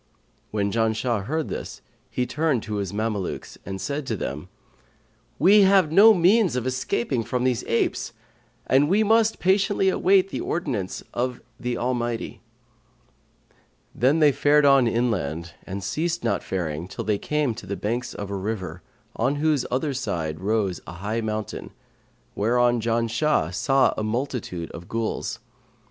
When Janshah heard this, he turned to his Mamelukes and said to them, 'We have no means of escaping from these apes, and we must patiently await the ordinance of the Almighty.' Then they fared on inland and ceased not faring till they came to the banks of a river, on whose other side rose a high mountain, whereon Janshah saw a multitude of Ghuls.